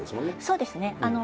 そうですね。